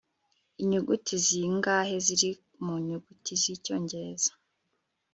inyuguti zingahe ziri mu nyuguti z'icyongereza